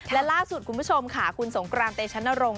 และล่าสุดคุณผู้ชมค่ะคุณสงกรานเตชนรงค